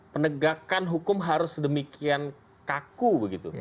penegakan hukum harus sedemikian kaku begitu